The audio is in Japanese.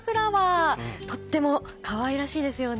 とってもかわいらしいですよね。